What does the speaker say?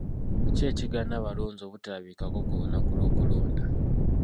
Ki ekigaana abalonzi obutalabikako ku lunaku lw'okulonda?